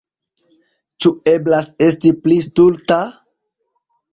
Ĉu eblas esti pli stulta?